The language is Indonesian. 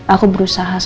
aku juga mau